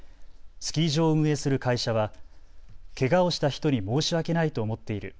スキー場を運営する会社はけがをした人に申し訳ないと思っている。